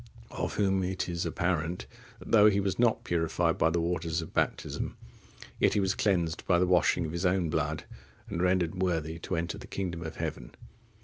Of whom it is apparent, that though he was not purified by the waters of baptism, yet he was cleansed by the washing of his own blood, and rendered worthy to enter the kingdom of heaven.